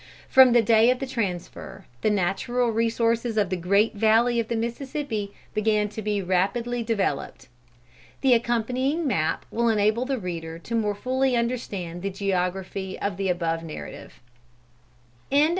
From the day of the transfer, the natural resources of the great valley of the Mississippi began to be rapidly developed. The accompanying map will enable the reader more fully to understand the geography of the above narrative. CHAPTER IV.